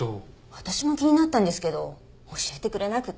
私も気になったんですけど教えてくれなくて。